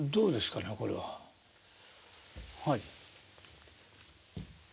はい。